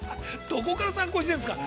◆どこから参考にしてるんですか。